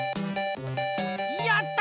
やった！